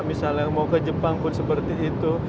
misalnya mau ke jepang pun seperti itu